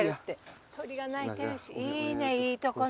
鳥が鳴いてるしいいねいいとこね。